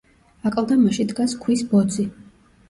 აკლდამაში დგას ქვის ბოძი.